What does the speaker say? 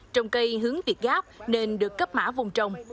trồng cây hướng việt gáp nên được cấp mã vùng trồng